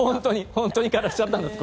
本当に枯らしちゃったんだって。